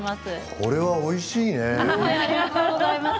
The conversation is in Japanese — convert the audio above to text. これは、おいしいね。